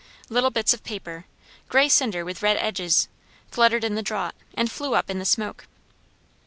Little bits of paper, grey cinder with red edges, fluttered in the draught, and flew up in the smoke.